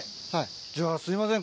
じゃあすいません